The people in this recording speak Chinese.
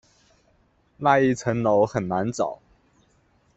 那一层楼很难找